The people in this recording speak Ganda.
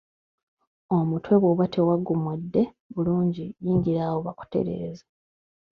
Omutwe bwoba tewagumwedde bulungi yingira awo bakutereeze.